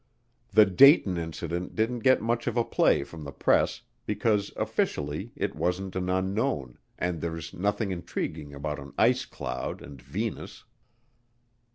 The Dayton Incident didn't get much of a play from the press because officially it wasn't an unknown and there's nothing intriguing about an ice cloud and Venus.